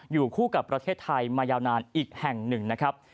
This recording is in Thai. อยู่คู่กับประเทศไทยมายาวนานอีกแห่งหนึ่งนะครับ